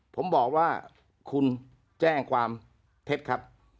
ผมบอกว่าคุณแจ้งความเท็จครับ